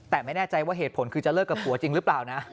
แต่ไม่แน่ใจว่าเหตุผลคือจะเลิกกับผัวจริงหรือเปล่านะ